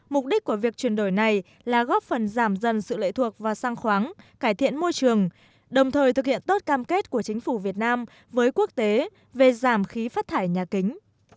mục đích của việc chuyển đổi này là góp phần giảm dần sự lệ thuộc vào sang khoáng cải thiện môi trường đồng thời thực hiện tốt cam kết của chính phủ việt nam với quốc tế về giảm khí phát thải nhà kính